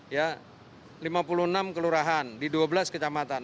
ya lima puluh enam kelurahan di dua belas kecamatan